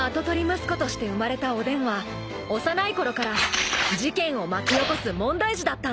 息子として生まれたおでんは幼い頃から事件を巻き起こす問題児だったんだ］